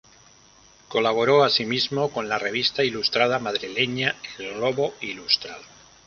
Colaboró asimismo con la revista ilustrada madrileña "El Globo Ilustrado".